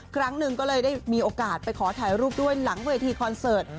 ครั้งหนึ่งก็เลยได้มีโอกาสไปขอถ่ายรูปด้วยหลังเวทีคอนเสิร์ต